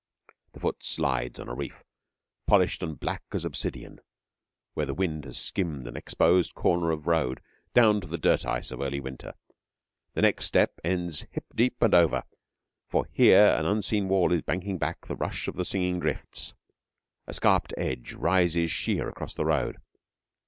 The foot slides on a reef, polished and black as obsidian, where the wind has skinned an exposed corner of road down to the dirt ice of early winter. The next step ends hip deep and over, for here an unseen wall is banking back the rush of the singing drifts. A scarped slope rises sheer across the road.